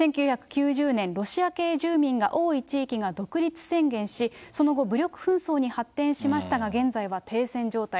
１９９０年、ロシア系住民が多い地域が独立宣言し、その後、武力紛争に発展しましたが、現在は停戦状態。